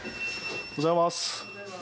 おはようございます。